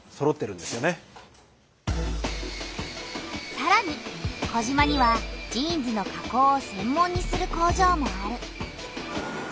さらに児島にはジーンズの加工を専門にする工場もある。